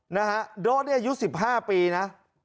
นะฮะโด๊ดเนี่ยอายุ๑๕ปีนะ